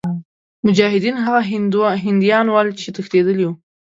مجاهدین هغه هندیان ول چې تښتېدلي وه.